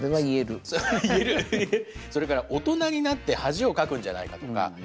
言えるそれから大人になって恥をかくんじゃないかとか。